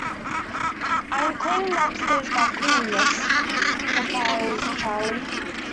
"I'm cleaning the upstairs back room, miss," replies Charley.